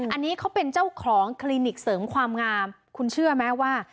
อันนี้เขาเป็นเจ้าของคลินิกเสริมความงามคุณเชื่อไหมว่า